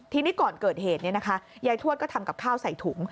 ทีนี้ก่อนเกิดเหตุยายทวดก็ทำกับข้าวใส่ถุง